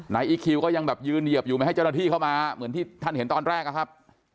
อีคิวก็ยังแบบยืนเหยียบอยู่ไม่ให้เจ้าหน้าที่เข้ามาเหมือนที่ท่านเห็นตอนแรกอะครับ